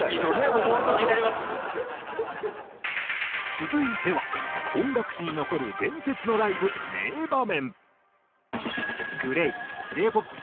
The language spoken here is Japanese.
続いては音楽史に残る伝説のライブ名場面。